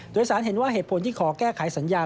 โดยสารเห็นว่าเหตุผลที่ขอแก้ไขสัญญา